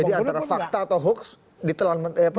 jadi antara fakta atau hoax ditelan